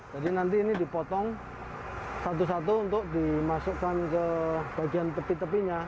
nanti ini dipotong satu satu untuk dimasukkan ke bagian tepi tepinya